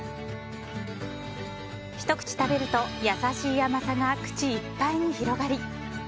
ひと口食べると優しい甘さが口いっぱいに広がり